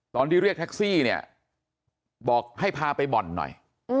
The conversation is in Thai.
เรียกแท็กซี่เนี่ยบอกให้พาไปบ่อนหน่อย